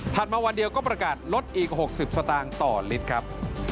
มาวันเดียวก็ประกาศลดอีก๖๐สตางค์ต่อลิตรครับ